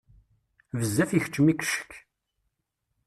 Bezzaf ikeččem-ik ccekk.